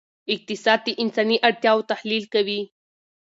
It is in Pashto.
اقتصاد د انساني اړتیاوو تحلیل کوي.